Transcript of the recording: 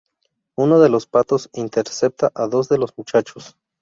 Uno de los patos intercepta a dos de los muchachos.